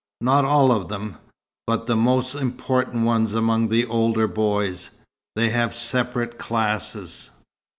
Not all of them but the most important ones among the older boys. They have separate classes.